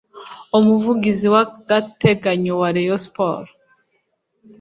Umuvugizi w’agateganyo wa Rayon sport